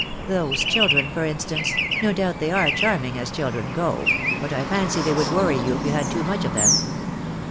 Those children, for instance — no doubt they are charming, as children go; but I fancy they would worry you if you had too much of them."